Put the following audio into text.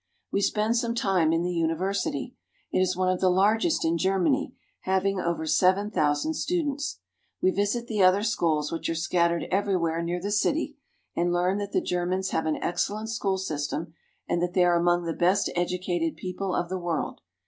We spend some time in the university. It is one of the largest in Germany, having over seven thousand students. We visit the other schools which are scattered everywhere over the city, and learn that the Germans have an excellent school sys tem, and that they are among the best educated people of the world.